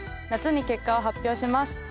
夏に結果を発表します。